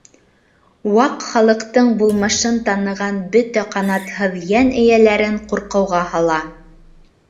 Ваҡ Халыҡтың булмышын таныған бөтә ҡанатһыҙ йән эйәләрен ҡурҡыуға һала.